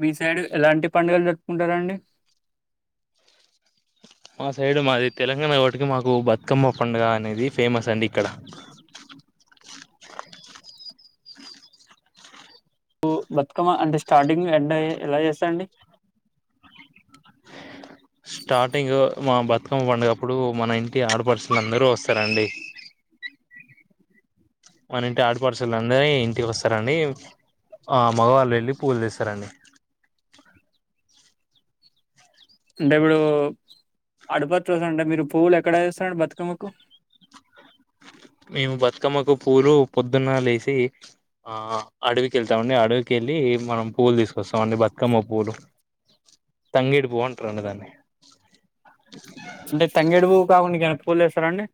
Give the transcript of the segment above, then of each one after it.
మీ side ఎలాంటి పండుగలు జరుపుకుంటారండి మా సైడు మాది తెలంగాణ ఒకటికి మాకు బతుకమ్మ పండుగ అనేది ఫేమస్ అండి ఇక్కడ బతుకమ్మ అంటే స్టార్టింగ్ ఎండ్ అయ ఎలా చేస్తారండి స్టార్టింగ్ మా బతుకమ్మ పండుగప్పుడు మన ఇంటి ఆడపడుచులు అందరూ వస్తారండి మన ఇంటి ఆడపడుచలంట ఇంటికి వస్తారండి ఆ మగవాళ్ళు వెళ్ళి పువ్వులు తెస్తారండి అంటే ఇప్పుడు ఆడపడుచులు అంటే మీరు పువ్వులు ఎక్కడ తెస్తారండి బతుకమ్మకు మేము బతుకమ్మకు పూలు పొద్దున్న లేేసి ఆ మేము బతుకమ్మ కు పూలు పొద్దున లేచి అడవికి వెళ్తామండి అడవికిెళ్ళి మనం పూవ్లు తీసుకొస్తామ అండి బతుకమ్మ పూలు తంగేడి పువ అంటారండి దాన్ని అంటే తంగేడు కాకుండా ఇంకా ఏం పూలుతెస్తారండి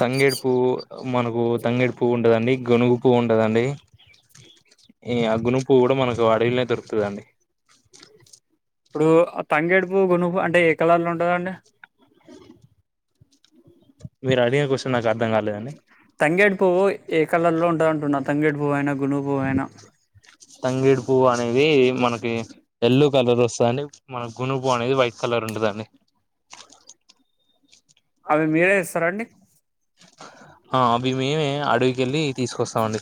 తంగేడు పువ్వు మనకు తంగేడు పువ్వు ఉండదండి గునుగు పువ్వు ఉంటది అండి ఆ గుణకపువ్వు కూడా మనకి అడవిలో దొరుకుతుంది ఇప్పుడు తంగేడుపువ్వు గునుపువ్వు అంటే ఏ కలర్ లో ఉంటదండి మీరు అడిగిన క్యూషన్ నాకు అర్థం కాలేదని తంగేడి పువ్వు ఏ కలర్ లో ఉంటంది అంటున్నా తంగేడి పువ్వుయిన తంగేడి పువ అనేది మనకి ఎల్లో కలర్ వస్తుందండి మన గునుపు అనేది వైట్ కలర్ ఉంటదండి అవి మీరే ఇస్తారాండి ఆ అవి మేము అడవికి వెళ్ళి తీసుకొస్తామండి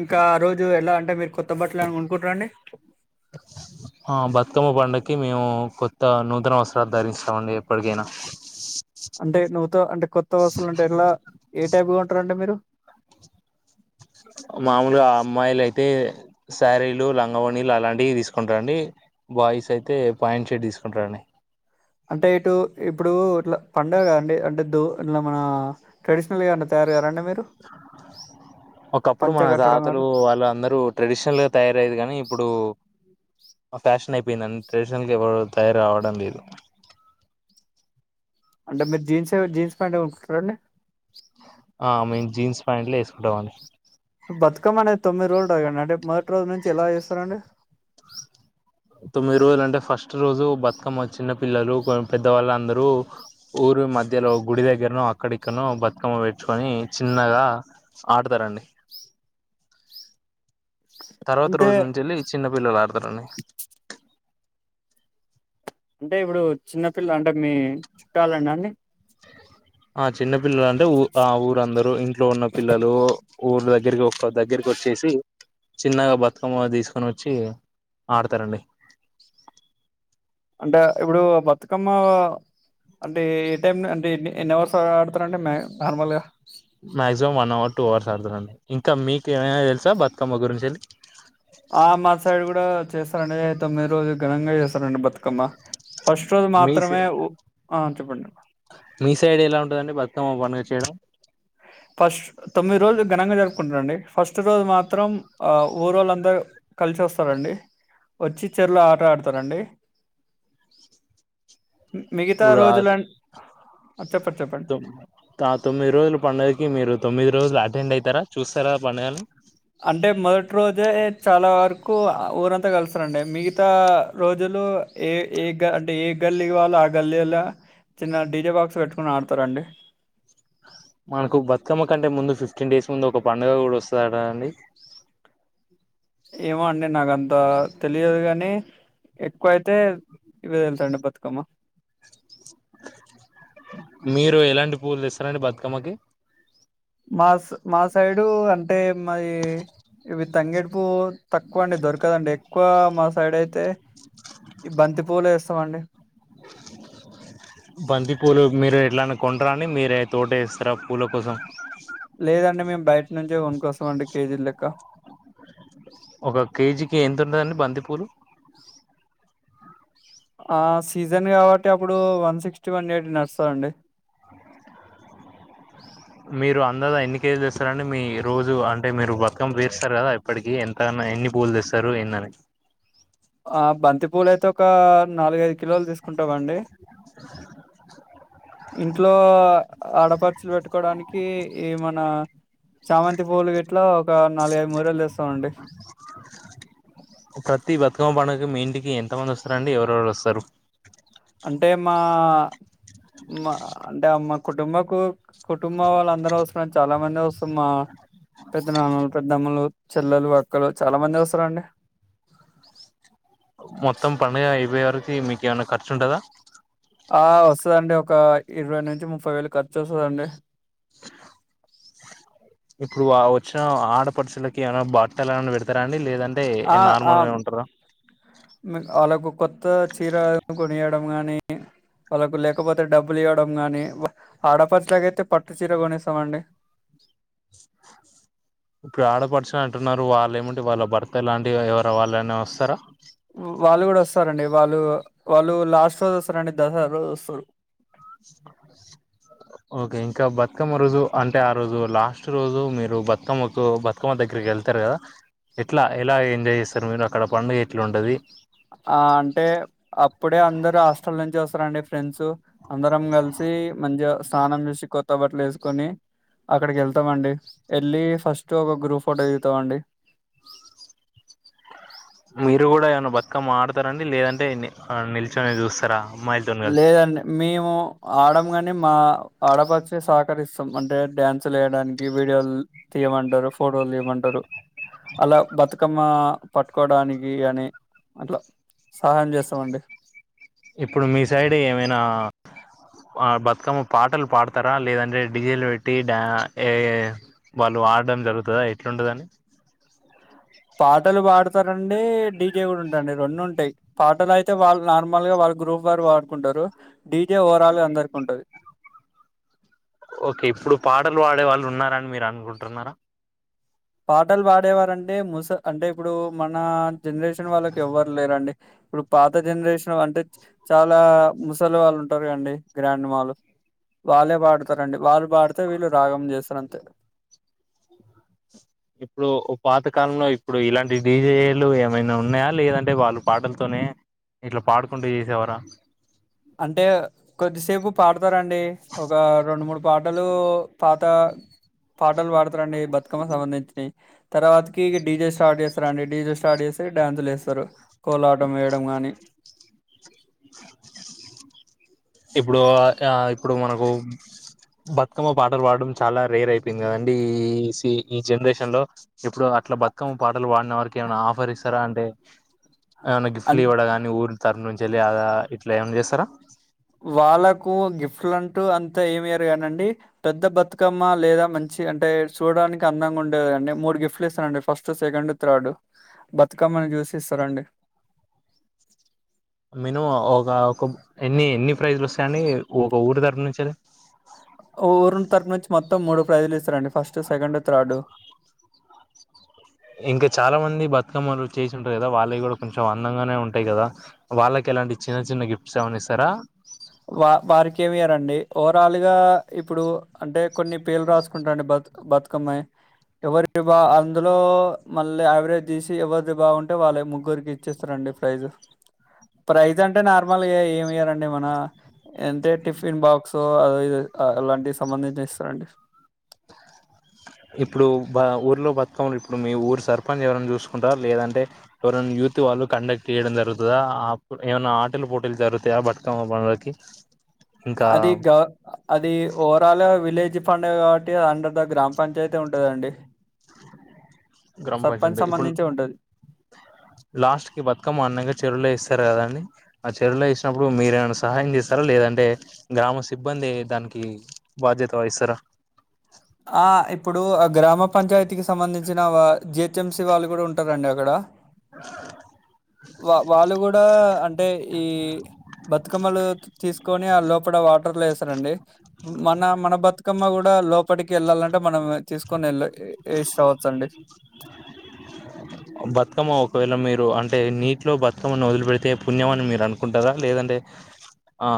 ఇంకా ఆ రోజు ఎలా అంటే మీరు కొత్త బట్టలు ఏమైనా కొనుకుంటారంండి ఆ బతుకమ్మ పడుకి మేము కొత్త నూతన అవసరాలు ధరించామండి ఎప్పటికైనా అంటే నూత అంటే కొత్త వస్తువులు అంటే ఎట్లా ఏ టైప్ కొంటారండి మీరు మామూలు ఆ అమ్మాయిలు అయితే శారీలు లంగవోణీలు అలాంటివి తీసుకుంటారండి బాయ్స్ అయితే పేంట్ షట్ తీసుకుంటారండి అంటే ఇటు ఇప్పుడు ఇట్లా పండగగా అండి అంటే దూ ఇట్లా మన ట్రెడిషనల్ గా ఏమన్నా తయారు కారా అండి ఒకప్పుడు పంచ మన కట్టడం తాతలు అట్లా వాళ్ళ అందరూ ట్రెడిషనల్ గా తయారయేది కానీ ఇప్పుడు ఆ ఫ్యాషన్ అయిపోయిందండి ట్రెడిషనల్గా ఎవరు తయారు రావడం లేదు అంటే మీరు జీన్స్ జీన్స్ ప్యాంట్ ఏనా [unintelligible] అండి డాన్స్ బతుకమ్మనేది తొమ్మిది రోజులు [unintelligible] ఉంటది ఒక రోజు నుంచి ఎలా చేస్తారండి తొమ్మిది రోజులు అంటే ఫస్ట్ ఫస్టు రోజు బతుకమ్మ చిన్న పిల్లలు పెద్దవాళ్ళందరూ ఊరి మధ్యలో గుడి దగ్గరను అక్కడిక్కనో బతుకమ్మ పెట్టుకొని చిన్నగా ఆడతారండి తర్వాత అంటే రోజు నుంచి వెళ్ళి చిన్న వీళ్ళు ఆడతరండి అంటే ఇప్పుడు చిన్నపిల్ల అంటే మీ చుట్టాలండి అన్ని ఆ చిన్న పిల్లలు అంటేఊ ఆ ఊరందరు ఇంట్లో ఉన్న పిల్లలు ఊరు దగ్గరికి ఒక దగ్గరకి వచ్చేసి చిన్నగా బతుకమ్మ తీసుకొని వచ్చి ఆడతారండి అంటే ఇప్పుడు బతుకమ్మ అంటే ఏ టైం అంటే ఎన్ని ఎన్ని అవర్స్ ఆడతారండి మ నార్మల్గా maximum one hour two hours ఆడతారండి ఇంకా మీకు ఏమైనా తెలుసా బతుకమ్మ గురించి వెళ్ళి ఆ మా సైడ్ కూడా చేస్తారండి తొమ్మిది రోజులు ఘనంగా చేస్తారండి బతుకమ్మ ఫస్ట్ రోజు మీ మాత్రమే సైడ్ ఉ ఆ చెప్పండి మీ సైడ్ ఎలా ఉంటదండి బతుకమ్మ ప మీరు చేయరా ఫస్ట్ తొమ్మిది రోజులు ఘనంగా జరుపుకుంటారండి ఫస్ట్ రోజు మాత్రం ఆ ఊ రోళ్ళందరూ కలిసి వస్తారండి వచ్చి చెరువు లో ఆట ఆడుతారండి మిగతా ఇప్పుడు ఆ రోజులం తొమ్ ఆ తొమ్మిది రోజులు పండగకి మీరు తొమ్మిదిరోజులు అటండ్ అయితార చూస్తారా పండగని నాకు ఊరంతా కలుస్తారండి మిగతా రోజులు ఏ ఏ గ అంటే ఏ గల్లీ వాల్లు ఆ గల్లీలో చిన్న డిజే బాక్స్ పెట్టుకుని ఆడతారండి మనకు బతుకమ్మ కంటే ముందు ఫిఫ్టీన్ డేస్ ముందు ఒక పండుగ కూడా వస్తదడా అండి ఏమో అండి నాకంత అ తెలియదు గానీ ఎక్కువ అయితే ఇవే తెలుసండి బతుకమ్మ మీరు ఎలాంటి పూలు ఇస్తారండి బతుకమ్మకి మా సై మా సైడు అంటే మాది ఇవి తంగేడుపూ తక్కువ అండి దొరకదండి ఎక్కువ మా సైడ్ అయితే ఈ బంతి పూలే వేస్తామండి బంతి పూలు మీరు ఎట్లానే కొంటార అని మీరే తోట ఇస్తారా పూల కోసం లేదండి మేము బయట నుంచే కొనుకోసాం అండి కేజీల లెక్క ఒక కేజీకి ఎంత ఉంటదండి బంతిపూలు ఆ ఆ సీజన్ కాబట్టి అప్పుడు వన్ సిక్స్టీ వన్ ఎటీ నస్తుందిండి మీరు అందా ఎన్ని కేజీలు ఇస్తారడి మీ రోజు అంటే మీరు బతకమ్ పేరుస్తారు కదా ఇప్పటికి ఎంతన్నా ఎన్ని పూలు తెస్తారు ఎందని ఆ బంతి పూల అయితే ఒక నాలుగైదు కిలోలు తీసుకుంటామండి ఇంట్లో ఆడపరుచులు పెట్టుకోవడానికి ఈ మన చామంతి పూలుట్ ఇట్లో ఒక నాలుగైఐదు మూ రళ్లు తెస్తాం అండి ఇ మీ ఇంటికి ఎంత మంది వస్తారంండి ఎవరుెవరు వస్తారు అంటే మా అంటే అమ్మ కుటుంబకు కుటుంబం వాళ్ళ అందరూ వస్తుార చాలా మంది వస్తారు మా పెద్ద నాన్నలు పెద్దమ్మలు చెల్లెలు అక్కలు చాలా మంది వస్తారంండి మొత్తం పడుగ ఐవై ఆరుకు మీక ఏమన్నా ఖర్చు ఉంటదా ఆ వస్తుదండి ఒక ఇరవై నుంచి ముప్పై వేలు ఖర్చు వస్తుందండి ఇప్పుడు వచ్చిన ఆడపడుచులకి ఏమైనా బట్టలు ఏమైనా పెడతా ండి లేదంటే ఆ ఆ నార్మల్గా ఉంటందా హ్మ్. వాళ్ళకు కొత్త చీర కొనియడం గానీ వాళ్ళకు లేకపోతే డబ్బులు ఇవ్వడం గానీ ఆడపచలాక అయితే పట్టు చీర కొనేస్తామండి న్నారు వాళ్ళు ఏమింటి వాళ్ళ భర్త లాంటివి ఎవరు వాళ్ళనే వస్తారా వాళ్ళు కూడా వస్తారండి వాళ్ళు వాళ్ళు లాస్ట్ రోజు వస్తారండి దసరా రోజు వస్తారు ఓకే ఇంకా బతుకమ్మ రోజు అంటే ఆ రోజు లాస్ట్ రోజు మీరు బతుకమ్మకు బతుకమ్మ దగ్గరికి వెళ్తారు కదా ఎట్లా ఎలా ఎంజాయ్ చేస్తారు మీరు అక్కడ పండుగ ఎట్లాండది ఆ అంటే ఫ్రెసో అందరం కలిసి మంచి స్నానం చేసి కొత్త బట్టలు వేసుకొని అక్కడికి వెళ్తామ అండి వెళ్ళి ఫస్ట్ ఒక గ్రూప్ ఫోటో చిదుతామ అండి మీరు కూడా ఏమన్న బక్క మాడతారండి లేదంటే నిల్చొని చూస్తారా అమ్మాయిలతో కలిసి లేదండి మేము ఆడ కాని మా ఆడపచి సహకరిస్తాం అంటే డ్యాన్సులు వయడానికి వీడియోలు తీయమంటారు ఫోటోలు తీయమంటారు అలా బతుకమ్మ పట్టుకోడానికి అని అట్లా సహాయం చేస్తామండి ఇప్పుడు మీ సైడ్ ఏమైనా బతుకమ్మ పాటలు పాడతారా లేదంటే డిజిలు పెట్టి వాళ్ళు ఆడడం జరుగుతుందా ఎట్లుంటదని తారండి డీజే కూడా ఉంటాడి రెండు ఉంటాయి పాటలు అయితే వాళ్ళు నార్మల్ గా వాళ్ళ గ్రూప్ వారు పాడుకుంటారు డీజే ఓవరాల్గా అందరికి ఉంటుది ఓకే ఇప్పుడు పాటలు పాడే వాళ్ళు ఉన్నారని మీరు అనుకుంటున్నారా పాటలు పాడేవారంటే ముస అంటే ఇప్పుడు మన జనరేషన్ వాళ్ళకి ఎవ్వరు లేరండి ఇప్పుడు పాత జనరేషన్ అంటే చాలా ముసలి వాళ్ళు ఉంటారు అండి గ్రాంండడ్మాళు వాళ్ళే పాడుతారండి వాళ్ళు పాడితే వీళ్ళు రాగం చేస్తారు అంతే ఇప్పుడు పాత కాలంలో ఇప్పుడు ఇలాంటి డీజేలు ఏమైనా ఉన్నాయా లేదంటే వాళ్ళు పాటలతోనే ఇట్లా పాడుకుంటూ చేసేవార అంటే కొద్దిసేపు తారండి ఒక రెండు మూడు పాటలు పా త పాటలు పాడతారండి బతుకమ్మ కు సంబంధించినయి తర్వాతకి డీ జే స్టార్ట్ చేస్తారండి డీ జే స్టార్ట్ చేస్తఘ డ్యాన్సులేస్తారు కోలాటం వేయడం గానీ ఇప్పుడు ఆ ఇప్పుడు మనం ఓం బతుకమ్మ పాటలు పాడడం చాలా రేర్ అయిపోయింది కదండి ఈ ఈ సీ ఈ జనరేషన్ లో ఇప్పుడు అట్లా బతుకమ్మ పాటలు పాడిన వారికి ఏమైనా ఆఫర్ ఇస్తారా అంటే ఏమన్నా గిఫ్లు అన్ ఇవ్వడం గానీ ఊర్ల తర నుం చెలే ఆగా ఇట్లా ఏం చేస్తారా వాళ్ళకు గిఫ్ట్లు అంటూ అంతా ఏమియ్యరు కానీ అండి పెద్ద బతుకమ్మ లేదా మంచి అంటే చూడ్డానికి అందంగా ఉండేది అంటే మూడు గిఫ్ట్లు ఇస్తారండి ఫస్ట్ సెకండ్ థర్డ్ బతుకమ్మని చూసి ఇస్తారండి మినిమం ఒక ఒక ఎన్ని ఎన్ని ప్రైస్ లు వస్తాయండి ఒక ఊరు తరపునుంచి ఊరి తరపు నుంచి మొత్తం మూడు ప్రైజులు ఇస్తారండి ఫస్ట్ సెకండ్ త్రార్డ్ ఇంకా చాలా మంది బతుకమ్మలు చేసి ఉంటారు కదా వాళ్ళవి కూడా కొంచెం అందంగానే ఉంటాయి కదా వాళ్ళకి ఎలాంటి చిన్న చిన్న గిఫ్ట్స్ ఏమన్నా ఇస్తారా వా వారికి ఏం ఇయ్యరండి ఓవరాల్ గా ఇప్పుడు అంటే కొన్ని పేర్లు రాసుకుంటాడి బతుకు బతుక్ కమె ఎవరివి బా అందులో మళ్ళీ యావరేజ్ తీసి ఎవరిది బావుంటే వాళ్ళవి ముగ్గురికి ఇచ్చేస్తారండి ప్రైజ్ ప్రైజ్ అంటే నార్మల్ ఏం ఇయ్యరండి ఏమన్నా అంటే టిఫిన్ బాక్సో అది ఇది అలాంటివి సంబంధించి ఇస్తారండి ఇప్పుడు బ ఊర్లో బతుకమ్మలు ఇప్పుడు మీ ఊరు సర్పంచ్ ఎవరైనా చూసుకుంటారా లేదంటే ఎవరైనా యూత్ వాళ్ళు కండక్ట్ చేయడం జరుగుతదా అప్పు ఏమన్నా ఆటల పోటీలు జరుగుతయా బతుకమ్మ పనులకి అది గవ్ అది ఓవరాల్ విలేజ్ పండుగ కాబట్టి అ అండర్ ద గ్రామ పంచాయతీ ఉంటదండి గ్రామ సర్పంచ్ పంచంటే ఇప్పుడు సంబంధించి ఉంటది లాస్ట్ కి బతుకమ్మ ఆడినాక చెరువులో ఏస్ స్తారు కదండి ఆ చెరువులో ఏసినప్పుడు మీరేమైనా సహాయం చేస్తారా లేదంటే గ్రామ సిబ్బంది దానికి బాధ్యత వహిస్తారా ఆ ఇ ప్పుడు ఆ గ్రామ పంచాయతీకి సంబంధించిన వా జి హెచ్ ఎం సి వాళ్ళు కూడా ఉంటారండి అక్కడ వా వాళ్ళు కూడా అంటే ఈ కోని ఆ లోపట వాటర్ లో ఏస్తారండి ఊ మన మన బతు క్కమ్మ కూడా లోపటికి వెళ్ళాలంటే మనం తీసుకొని వెళ్ళ ఏసి రావచ్చండి బతుకమ్మ ఒకవేళ మీరు అంటే నీటిలో బతుకమ్మని వొదిలి పెడితే పుణ్యం అని మీరు అనుకుంటారా లేదంటే ఆ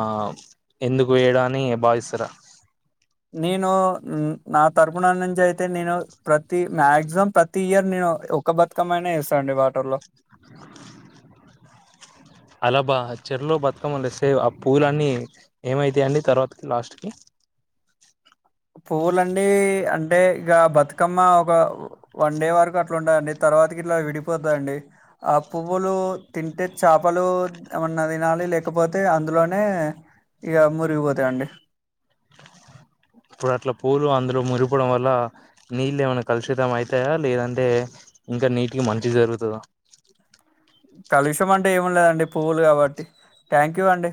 ఎందుకు వేయడం అని భావిస్తారా నేను నా తరపున నుంచి అయితే నేను ప్రతి మాక్సిమం ప్రతీ ఇయర్ నేను ఒక్క బతుకమ్మనే ఏస్తా అండి వాటర్లో టబా చెర్లో బతుకమ్మని తెస్తే ఆ పూలు అన్నీ ఏమైతాయండి తర్వాతకి లాస్ట్ కి పువ్వులండి అంటే ఇక బతుకమ్మ ఒక వన్ డే వరకు అట్లా ఉండదండి తర్వాతకి ఇట్లా విడిపోతుదండి ఆ పువ్వులు తింటే చేపలు ఏమన్నా తినాలి లేకపోతే అందులోనే ఇగ మురిగిపోతాయండి ఇప్పుడు అట్లా పూలు అందులో మురిగిపోవడం వల్ల నీళ్ళు ఏమైనా కలుషితం ఐతాయా లేదంటే ఇంకా నీటికి మంచి జరుగుతదా కాలుషం అంటే ఏమున్నాయండి పువ్వులు కాబట్టి థ్యాంక్ యూ అండి